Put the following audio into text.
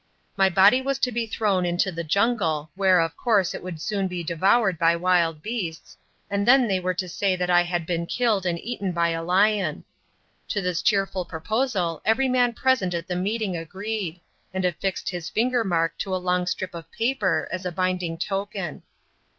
My body was to be thrown into the jungle, where of course it would soon be devoured by wild beasts, and then they were to say that I had been killed and eaten by a lion. To this cheerful proposal every man present at the meeting agreed, and affixed his finger mark to a long strip of paper as a binding token.